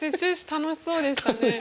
楽しそうでしたね。